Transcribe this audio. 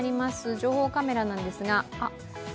情報カメラなんですが。